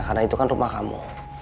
karena itu kan rumah kamu